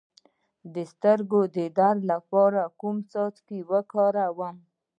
د سترګو د درد لپاره کوم څاڅکي وکاروم؟